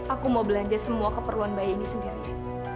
aku mau belanja semua keperluan bayi ini sendiri